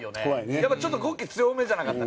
やっぱちょっと語気強めじゃなかった？